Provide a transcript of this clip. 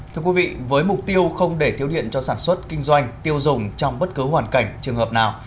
thưa quý vị với mục tiêu không để thiếu điện cho sản xuất kinh doanh tiêu dùng trong bất cứ hoàn cảnh trường hợp nào